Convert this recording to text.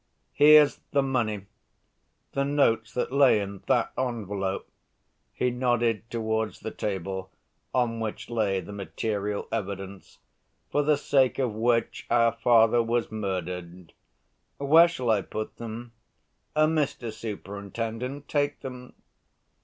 "Here's the money ... the notes that lay in that envelope" (he nodded towards the table on which lay the material evidence), "for the sake of which our father was murdered. Where shall I put them? Mr. Superintendent, take them."